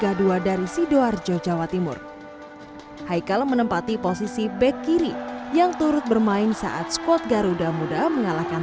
hai haikal menempati posisi back kiri yang turut bermain saat squad garuda muda mengalahkan